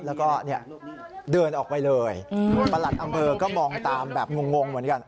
แล้วก็เดินออกไปเลยประหลัดอำเภอก็มองตามแบบงงเหมือนกัน